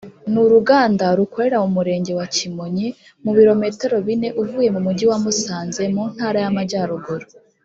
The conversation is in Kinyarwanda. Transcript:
Ni uruganda rukorera mu Murenge wa Kimonyi mu birometero bine uvuye mu Mujyi wa Musanze mu Ntara y’Amajyaruguru.